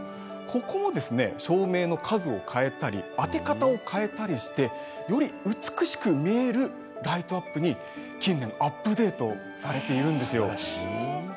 こちらも照明の数を変えたり当て方を変えたりしてより美しく見えるライトアップに近年アップデートされているんですよ。